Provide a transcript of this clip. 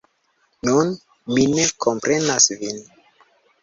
Nun mi ne komprenas vin.